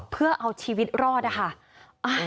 เพื่อเอาชีวิตรอดนะคะ